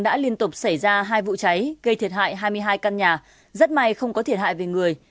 đã liên tục xảy ra hai vụ cháy gây thiệt hại hai mươi hai căn nhà rất may không có thiệt hại về người